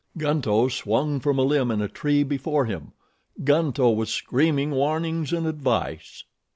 Gunto swung from a limb in a tree before him. Gunto was screaming warnings and advice.